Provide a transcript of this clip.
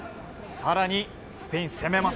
更に、スペイン攻めます。